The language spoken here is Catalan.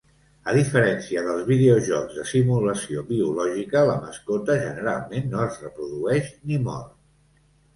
A diferència dels videojocs de simulació biològica, la mascota generalment no es reprodueix ni mor.